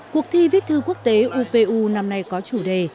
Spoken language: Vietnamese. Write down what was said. cuộc thi viết thư quốc tế upu năm nay có chủ đề